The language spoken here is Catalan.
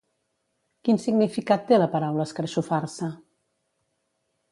Quin significat té la paraula escarxofar-se?